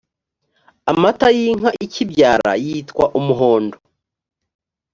amata y’inka ikibyara yitwa umuhondo